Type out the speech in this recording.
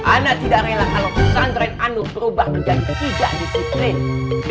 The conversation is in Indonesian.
anus tidak rela kalau pesantren anut berubah menjadi tidak disiplin